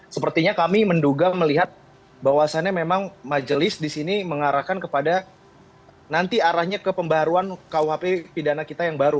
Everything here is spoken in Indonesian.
sepertinya kami menduga melihat bahwasannya memang majelis di sini mengarahkan kepada nanti arahnya ke pembaruan kuhp pidana kita yang baru